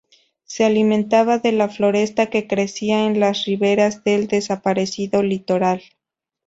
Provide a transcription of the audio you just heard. Se alimentaba de la floresta que crecía en las riberas del desaparecido litoral.